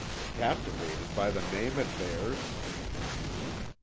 "Captivated by the name it bears."